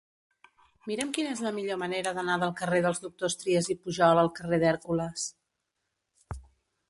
Mira'm quina és la millor manera d'anar del carrer dels Doctors Trias i Pujol al carrer d'Hèrcules.